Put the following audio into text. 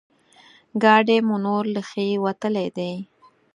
ګاډی مو نور له ښې وتلی دی.